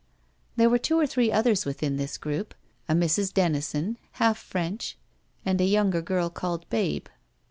There were two or three others within this group. A Mrs. Denison, half French, and a younger girl called Babe.